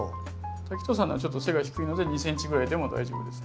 滝藤さんのはちょっと背が低いので２ｃｍぐらいでも大丈夫ですね。